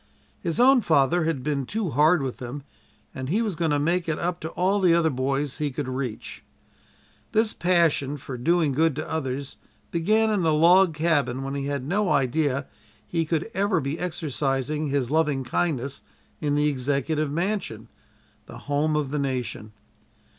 His own father had been too hard with him, and he was going to make it up to all the other boys he could reach. This passion for doing good to others began in the log cabin when he had no idea he could ever be exercising his loving kindness in the Executive Mansion the Home of the Nation.